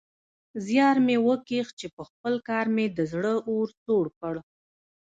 زيار مې وکيښ چې پخپل کار مې د زړه اور سوړ کړ.